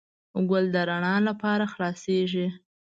ګل د رڼا لپاره خلاصیږي.